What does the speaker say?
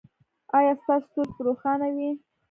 ایا ستاسو ستوری به روښانه وي؟